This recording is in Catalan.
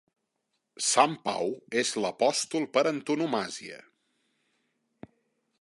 Sant Pau és l'apòstol per antonomàsia.